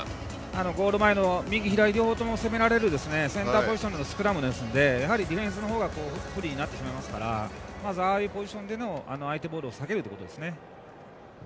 ゴール前の右、左両方とも攻められるセンターポジションのスクラムでディフェンスが不利になりますからああいうシチュエーションでの相手ボールを避けることです。